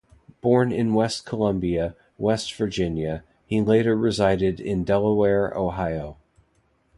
Born in West Columbia, West Virginia, he later resided in Delaware, Ohio.